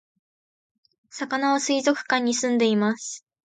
さかなは水族館に住んでいます